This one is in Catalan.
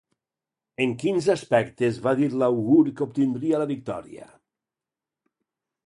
En quins aspectes va dir l'àugur que obtindria la victòria?